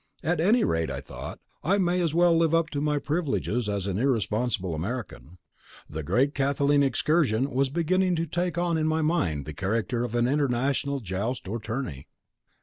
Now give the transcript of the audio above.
At any rate, I thought, I may as well live up to my privileges as an irresponsible American. The Great Kathleen Excursion was beginning to take on in my mind the character of an international joust or tourney.